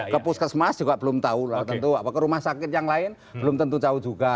ke puskesmas juga belum tahu tentu ke rumah sakit yang lain belum tentu tahu juga